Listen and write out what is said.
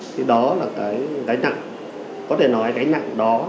thì đó là cái gánh nặng có thể nói cái nặng đó